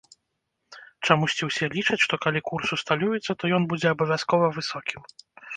Чамусьці ўсе лічаць, што калі курс усталюецца, то ён будзе абавязкова высокім.